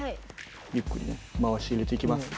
ゆっくりね回し入れていきます。